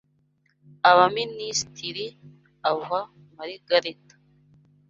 abaminisitiri, awuha Marigareta